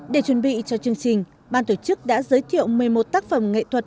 để chuẩn bị cho chương trình ban tổ chức đã giới thiệu một mươi một tác phẩm nghệ thuật